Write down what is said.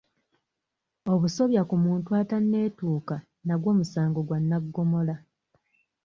Obusobya ku muntu ataneetuuka nagwo musango gwa nnaggomola.